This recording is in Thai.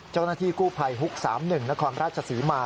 เจ้าหน้าที่กู้ภัยฮุก๓๑นครราชศรีมา